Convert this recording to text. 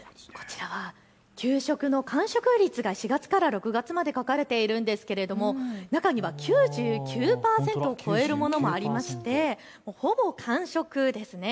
給食の完食率が４月から６月まで書かれているんですが中には９９％を超えるものもありましてほぼ完食ですね。